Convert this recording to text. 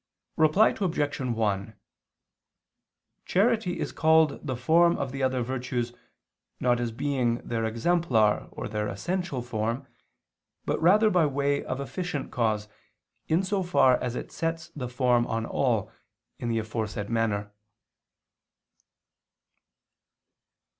Reply Obj. 1: Charity is called the form of the other virtues not as being their exemplar or their essential form, but rather by way of efficient cause, in so far as it sets the form on all, in the aforesaid manner.